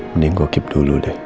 mending gue keep dulu deh